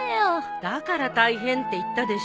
だから大変って言ったでしょ。